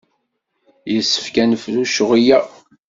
Yessefk ad nefru ccɣel-a.